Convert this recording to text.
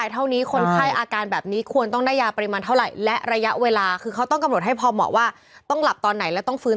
ที่จะไม่รบกวนการผ่าตัดและปลอดภัยในคนไขมันที่สุด